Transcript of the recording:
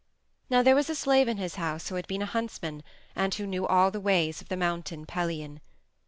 Now there was a slave in his house who had been a huntsman and who knew all the ways of the Mountain Pelion.